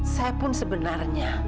saya pun sebenarnya